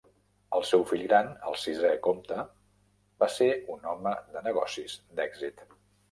El seu fill gran, el sisè comte, va ser un home de negocis d'èxit.